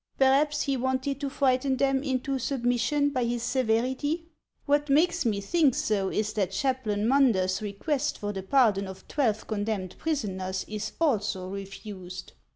" Perhaps he wanted to frighten them into submission by his severity. What makes me think so is that Chap lain Munder's request for the pardon of twelve condemned prisoners is also refused."